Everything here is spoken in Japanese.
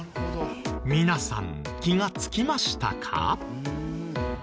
皆さん気がつきましたか？